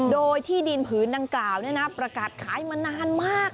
โดยที่ดินผืนดังกล่าวประกาศขายมานานมาก